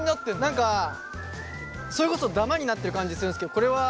何かそれこそダマになってる感じするんですけどこれは。